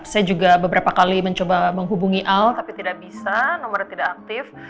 saya juga beberapa kali mencoba menghubungi al tapi tidak bisa nomornya tidak aktif